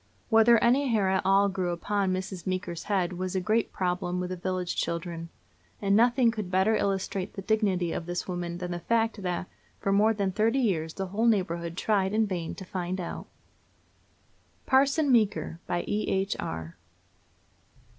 Whether any hair at all grew upon Mrs. Meeker's head was a great problem with the village children, and nothing could better illustrate the dignity of this woman than the fact that for more than thirty years the whole neighborhood tried in vain to find out. PARSON MEEKER. BY E.H. ARR.